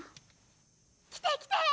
来て来て！